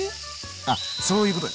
あっそういうことか。